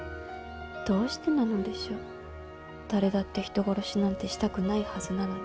どうしてなのでしょう誰だって人殺しなんてしたくないはずなのに。